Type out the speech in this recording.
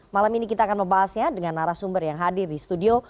malam ini kita akan membahasnya dengan narasumber yang hadir di studio